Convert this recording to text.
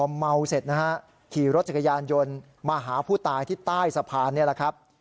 พอเมาเสร็จนะฮะขี่รถจักรยานยนต์มาหาผู้ตายที่ใต้สะพานนี่แหละครับ